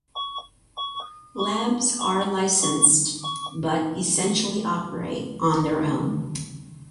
Labs are licensed but essentially operate on their own.